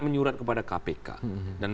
menyurat kepada kpk dan